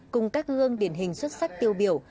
cùng các gương điển hình xuất sắc tiêu biểu